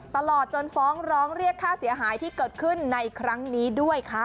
ตลอดจนฟ้องร้องเรียกค่าเสียหายที่เกิดขึ้นในครั้งนี้ด้วยค่ะ